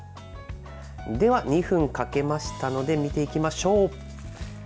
では、２分かけましたので見ていきましょう。